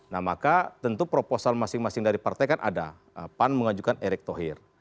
nah maka tentu proposal masing masing dari partai kan ada pan mengajukan erick thohir